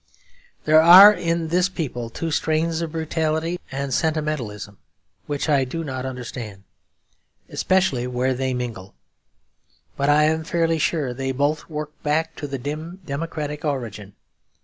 There are in this people two strains of brutality and sentimentalism which I do not understand, especially where they mingle; but I am fairly sure they both work back to the dim democratic origin.